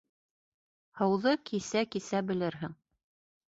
Һыуҙы кисә-кисә, белерһең;